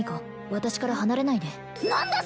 私から離れないで何だ